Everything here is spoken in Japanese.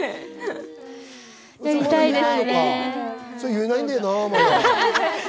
それ言えないんだよな。